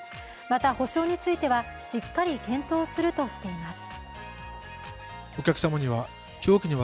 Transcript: また補償については、しっかり検討するとしています。